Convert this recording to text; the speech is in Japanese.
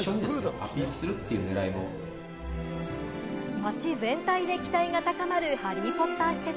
街全体で期待が高まる『ハリー・ポッター』施設。